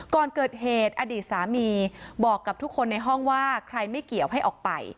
ก่อนเกิดเหตุอดีตสามีบอกกับทุกคนในห้องว่าใครไม่เกี่ยวให้ออกไป